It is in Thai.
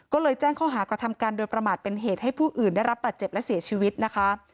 ก็เลยแจ้งข้อหากระทำการโดยประมาทเป็นเหตุให้ผู้อื่นได้รับบาดเจ็บและเสียชีวิตนะคะ